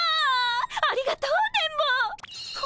ありがとう電ボ！